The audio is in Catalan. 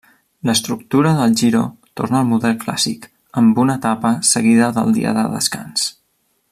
L'estructura del Giro torna al model clàssic, amb una etapa seguida del dia de descans.